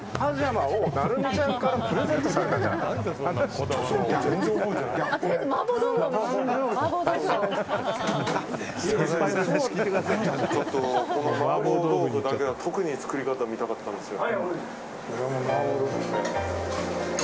麻婆豆腐だけは特に作り方を見たかったんですよ。